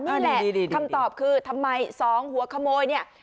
นี่แหละคำตอบคือทำไมสองหัวขโมยเนี่ย